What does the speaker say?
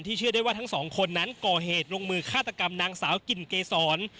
เชื่อได้ว่าทั้งสองคนนั้นก่อเหตุลงมือฆาตกรรมนางสาวกลิ่นเกษร